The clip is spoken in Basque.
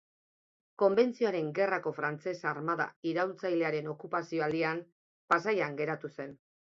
Konbentzioaren Gerrako frantses armada iraultzailearen okupazio aldian, Pasaian geratu zen.